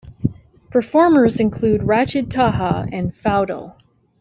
Performers include Rachid Taha and Faudel.